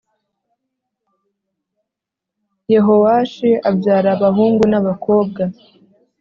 Yehowashi abyara abahungu n’ abakobwa